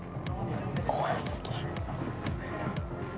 怖すぎ。